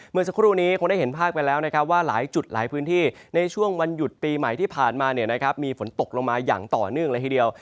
เมื่อสักครู่นี้คงได้เห็นภาพไปแล้วนะครับว่าหลายจุดหลายพื้นที่ในช่วงวันหยุดปีใหม่ที่ผ่านมามีฝนตกลงมาอย่างต่อเนื่องเลยทีเดียว